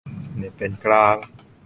เน็ตเป็นกลาง